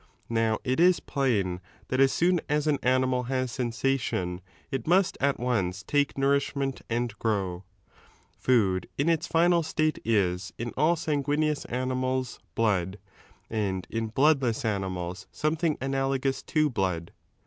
Now, it is plain that as soon as an animal has sensation, it must at once take nourishment and grow; food in its final state is, in all sanguineous animals, blood, and in bloodless animals 456 b something analogous to blood.